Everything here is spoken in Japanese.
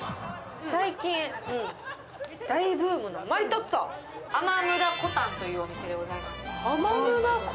最近大ブームのアマムダコタンというお店でございます。